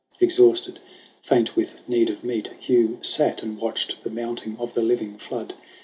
Exhausted, faint with need of meat, Hugh sat And watched the mounting of the living flood.